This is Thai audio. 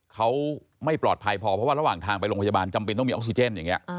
เขาไม่ปลอดภัยพอเพราะว่าระหว่างทางไปโรงพยาบาลจำเป็นต้องมีออกซิเจนอย่างนี้